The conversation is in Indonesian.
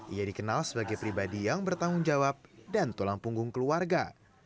ia dikenal sebagai pribadi yang bertanggung jawab dan tulang punggung keluarga